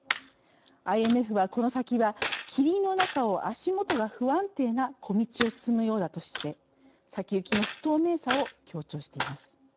ＩＭＦは、この先は霧の中を足元が不安定な小道を進むようだとして先行きの不透明さを強調しています。